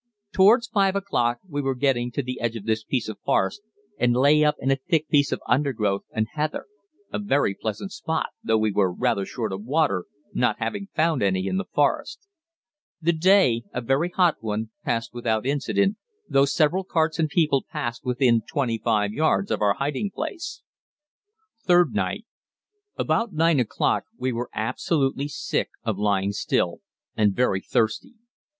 Towards 5 o'clock we were getting to the edge of this piece of forest, and lay up in a thick piece of undergrowth, and heather a very pleasant spot, though we were rather short of water, not having found any in the forest. The day, a very hot one, passed without incident, though several carts and people passed within 25 yards of our hiding place. Third Night. About 9 o'clock we were absolutely sick of lying still, and very thirsty.